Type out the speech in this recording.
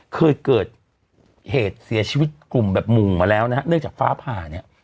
เคยเกิดเหตุเสียชีวิตกลุ่มแบบหมู่มาแล้วนะฮะเนื่องจากฟ้าผ่าเนี่ย